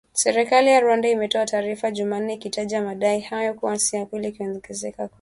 Serikali ya Rwanda imetoa taarifa jumanne ikitaja madai hayo kuwa si ya kweli ikiongezea kwamba